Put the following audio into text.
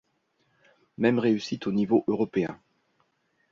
Même réussite au niveau européen.